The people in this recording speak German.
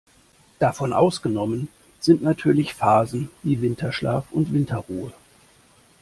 Davon ausgenommen sind natürlich Phasen wie Winterschlaf und Winterruhe.